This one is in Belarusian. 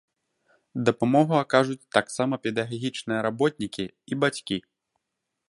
Дапамогу акажуць таксама педагагічныя работнікі і бацькі.